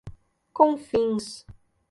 Confins